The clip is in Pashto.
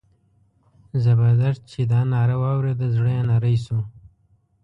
زبردست چې دا ناره واورېده زړه یې نری شو.